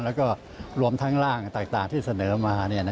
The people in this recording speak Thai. แล้วก็รวมทั้งร่างต่างที่เสนอมา